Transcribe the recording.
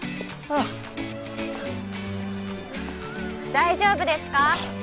大丈夫ですか？